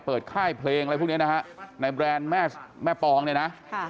ค่ายเพลงอะไรพวกนี้นะฮะในแบรนด์แม่ปองเนี่ยนะ